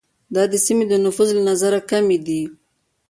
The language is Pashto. دا سیمې د نفوس له نظره کمي دي.